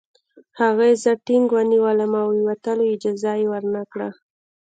هغې زه ټینګ ونیولم او د وتلو اجازه یې ورنکړه